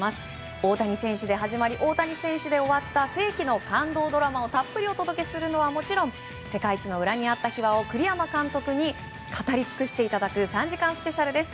大谷選手で始まり大谷選手で終わった世紀の感動ドラマをたっぷりお届けするのはもちろん世界一の裏にあった秘話を栗山監督に語りつくしていただく３時間スペシャルです。